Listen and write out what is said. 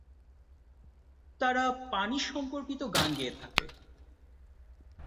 তারা পানি সম্পর্কিত গান গেয়ে থাকে।